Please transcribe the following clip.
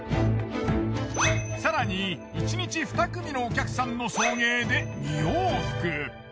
更に１日２組のお客さんの送迎で２往復。